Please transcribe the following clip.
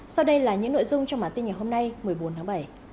sau đây là những nội dung trong bản tin ngày hôm nay một mươi bốn tháng bảy